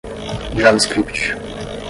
javascript